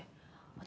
私